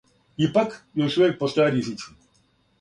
Ипак, још увијек постоје ризици.